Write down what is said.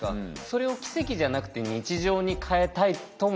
それを奇跡じゃなくて日常に変えたいとも思いますよね。